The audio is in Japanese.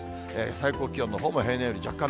最高気温のほうも、平年より若干